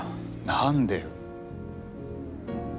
何でよ？